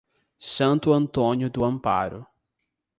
Santo Antônio do Amparo